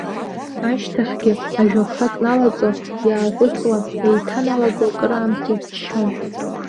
Ашьҭахьгьы, ажәақәак налаҵо, иааҟәыҵуа, еиҭаналаго акыраамҭа иччон.